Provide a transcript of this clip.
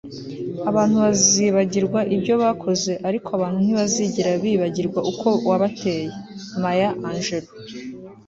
abantu bazibagirwa ibyo wakoze, ariko abantu ntibazigera bibagirwa uko wabateye. - maya angelou